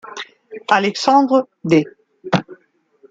Alexandre D.